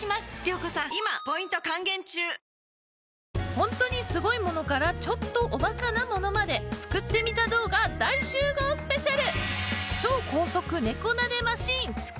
本当にすごいものからちょっとおバカなものまで作ってみた動画大集合スペシャル！